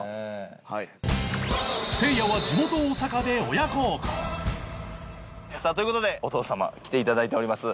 せいやは地元大阪で親孝行という事でお父様来て頂いております。